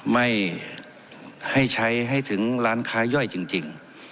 ไม่ให้ใช้ให้ถึงร้านค้าย่อยจริง